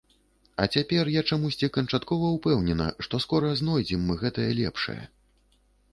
А цяпер я чамусьці канчаткова ўпэўнена, што скора знойдзем мы гэтае лепшае.